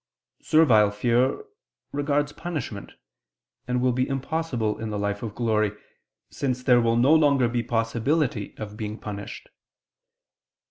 Servile fear regards punishment, and will be impossible in the life of glory, since there will no longer be possibility of being punished.